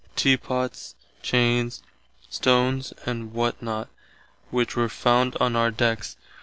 teapots, chains, stones and what not, which were found on our decks.